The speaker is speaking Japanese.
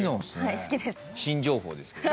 新情報ですけど。